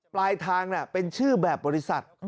ปลายทางเป็นชื่อแบบบริษัท